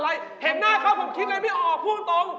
เห็นหน้าเขาผมคิดอะไรไม่ออกพูดตรง